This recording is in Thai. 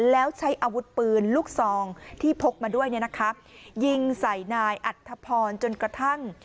แล้วใช้อาวุธปืนลูกซองที่พกมาด้วยเนี่ยนะคะยิงใส่นายอัธพรจนกระทั่ง